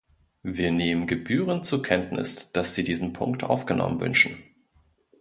Wir nehmen gebührend zur Kenntnis, dass Sie diesen Punkt aufgenommen wünschen.